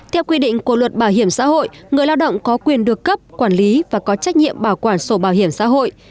theo quy định của luật bảo hiểm xã hội người lao động có quyền được cấp quản lý và có trách nhiệm bảo quản sổ bảo hiểm xã hội